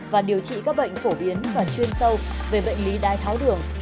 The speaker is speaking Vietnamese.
và điều trị các bệnh phổ biến và chuyên sâu về bệnh lý đai tháo đường